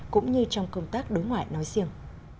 cũng như trong công tác đối ngoại nói riêng